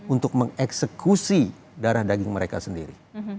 untuk mengeksekusi darah daging mereka sendiri